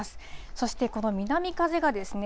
そして、この南風がですね